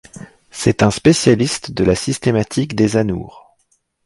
C'est un spécialiste de la systématique des anoures.